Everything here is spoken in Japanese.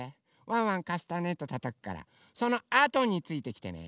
ワンワンカスタネットたたくからそのあとについてきてね。